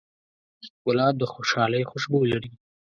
ګلاب د خوشحالۍ خوشبو لري.